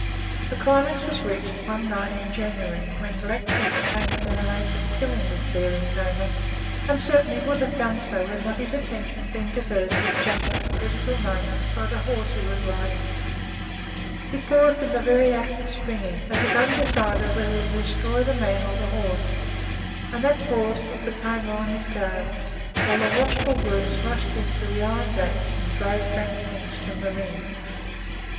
The climax was reached one night in January, when Black Prince came within an ace of killing this daring tamer, and certainly would have done so had not his attention been diverted just at the critical moment by the horse he was riding. He paused in the very act of springing, as if undecided whether to destroy the man or the horse, and that pause put the tamer on his guard, while the watchful grooms rushed in through the iron gates and drove Black Prince from the ring.